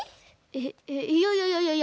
えっえっいやいやいやいや。